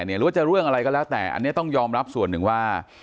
หรือว่าจะเรื่องอะไรก็แล้วแต่อันนี้ต้องยอมรับส่วนหนึ่งว่า